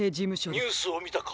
☎ニュースをみたか？